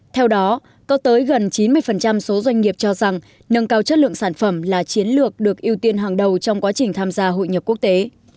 theo đó có tới gần chín mươi số doanh nghiệp cho rằng nâng cao chất lượng sản phẩm là chiến lược được ưu tiên hàng đầu trong quá trình tham gia hội nhập quốc tế